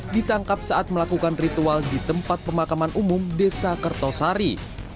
ditangkap saat melakukan ritual di tempat pemakaman umum desa kertosari